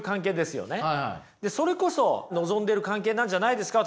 それこそ望んでる関係なんじゃないですか？